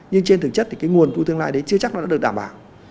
nhưng trên thực chất thì cái nguồn thu tương lai đấy chưa chắc nó đã được đảm bảo